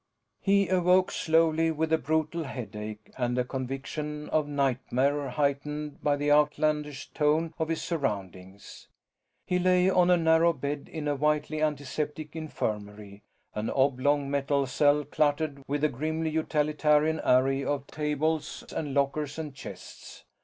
He awoke slowly with a brutal headache and a conviction of nightmare heightened by the outlandish tone of his surroundings. He lay on a narrow bed in a whitely antiseptic infirmary, an oblong metal cell cluttered with a grimly utilitarian array of tables and lockers and chests.